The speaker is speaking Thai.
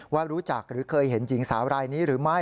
ว่ารู้จักหรือเคยเห็นหญิงสาวรายนี้หรือไม่